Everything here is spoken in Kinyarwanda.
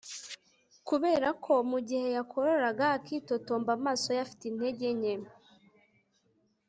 Kuberako mugihe yakorora akitotomba amaso ye afite intege nke